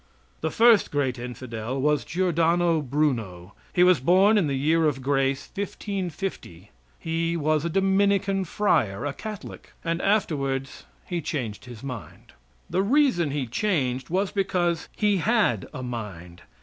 The first great infidel was Giordano Bruno. He was born in the year of grace 1550. He was a Dominican friar Catholic and afterwards he changed his mind. The reason he changed was because he had a mind.